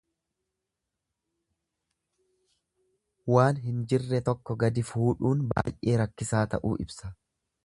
Waan hin jirre tokko gadi fuudhuun baay'ee rakkisaa ta'uu ibsa.